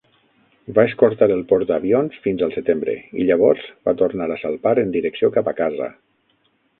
Va escortar el portaavions fins al setembre i, llavors, va tornar a salpar en direcció cap a casa.